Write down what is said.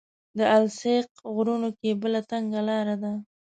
د السیق غرونو کې بله تنګه لاره وه.